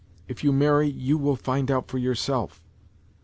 If you marry you will find out for yourself.